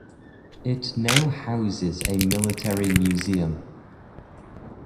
It now houses a military museum.